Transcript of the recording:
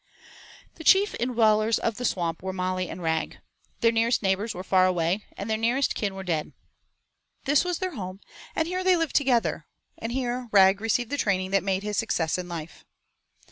The chief indwellers of the swamp were Molly and Rag. Their nearest neighbors were far away, and their nearest kin were dead. This was their home, and here they lived together, and here Rag received the training that made his success in life.